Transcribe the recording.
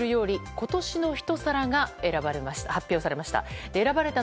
今年の一皿が発表されました。